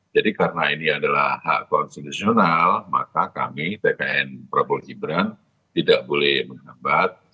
jadi karena ini adalah hak konstitusional maka kami tkn prabowo gibran tidak boleh menghambat